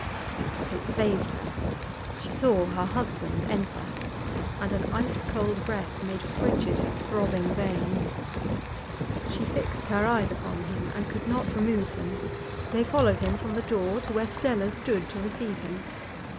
It saved her. She saw her husband enter, and an ice cold breath made frigid her throbbing veins. She fixed her eyes upon him, and could not remove them; they followed him from the door to where Stella stood to receive him.